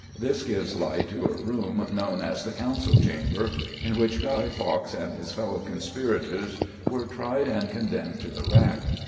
This gives light to a room known as the Council Chamber, in which Guy Fawkes and his fellow conspirators were tried and condemned to the rack.